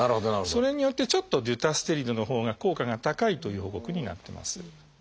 それによってちょっとデュタステリドのほうが効果が高いという報告になってます。